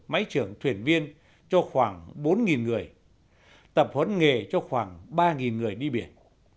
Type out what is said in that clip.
máy trưởng thuyền viên cho khoảng bốn người tập huấn nghề cho khoảng ba người đi biển